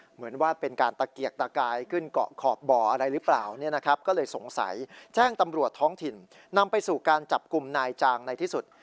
เหมือนว่าเป็นการตะเกียกตะกายขึ้นเกาะขอบบ่ออะไรหรือเปล่าเนี่ยนะครับก็เลยสงสัยแจ้งตำรวจท้องถิ่นนำไปสู่การจับกลุ่มนายจางในที่สุด